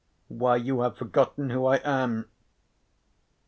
Why, you have forgotten who I am."